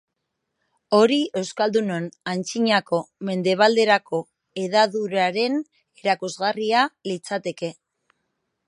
Hori euskaldunon antzinako mendebalderako hedaduraren erakusgarria litzateke.